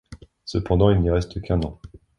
Cependant, il n'y reste qu'un an.